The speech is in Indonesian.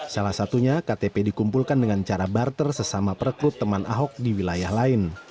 salah satunya ktp dikumpulkan dengan cara barter sesama perekrut teman ahok di wilayah lain